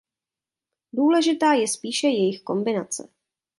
Důležitá je spíše jejich kombinace.